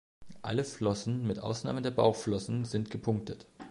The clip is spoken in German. Alle Flossen, mit Ausnahme der Bauchflossen, sind gepunktet.